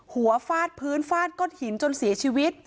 ฟาดพื้นฟาดก้นหินจนเสียชีวิต